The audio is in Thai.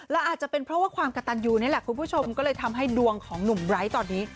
แล้วอาจจะเป็นเพราะว่าความกระตันยูนี่แหละคุณผู้ชมก็เลยทำให้ดวงของหนุ่มไร้ตอนนี้